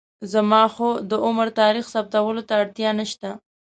زما خو د عمر تاریخ ثابتولو ته اړتیا نشته.